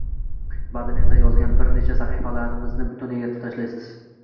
Ba’zan esa yozgan bir necha sahifalaringizni butunlay yirtib tashlaysiz